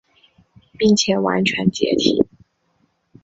并且完全解体。